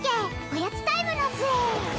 おやつタイムの杖！